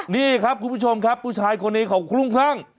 นี่ครับคุณผู้ชมครับผู้ชายคนนี้ของกรุงข้าง